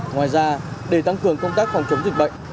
ngoài ra để tăng cường công tác phòng chống dịch bệnh